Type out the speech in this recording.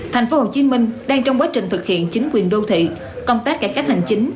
tp hcm đang trong quá trình thực hiện chính quyền đô thị công tác cải cách hành chính